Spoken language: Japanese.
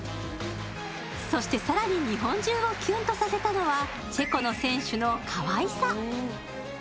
そして、更に日本中をキュンとさせたのは、チェコの選手のかわいさ。